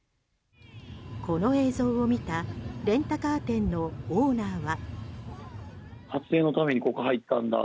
この映像を見たレンタカー店のオーナーは。